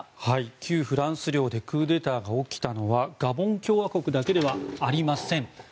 旧フランス領でクーデターが起きたのはガボン共和国だけではありません。